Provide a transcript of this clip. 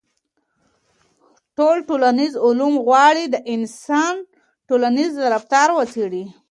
ټول ټولنيز علوم غواړي د انسان ټولنيز رفتار وڅېړي.